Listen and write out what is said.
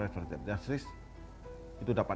referensi jasris itu dapat